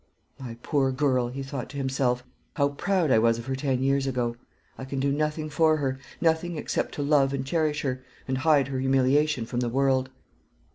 "My poor girl!" he thought to himself; "how proud I was of her ten years ago! I can do nothing for her; nothing except to love and cherish her, and hide her humiliation from the world."